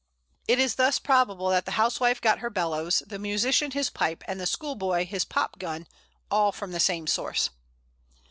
It is thus probable that the housewife got her bellows, the musician his pipe, and the schoolboy his pop gun, all from the same source.